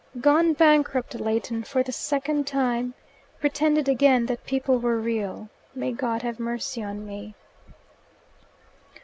"Gone bankrupt, Leighton, for the second time. Pretended again that people were real. May God have mercy on me!"